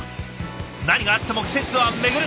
何があっても季節は巡る。